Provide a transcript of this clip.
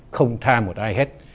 không tha một ai hết